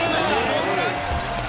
ホームラン！